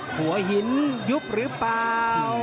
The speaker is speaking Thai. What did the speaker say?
หัวหินยุบหรือเปล่า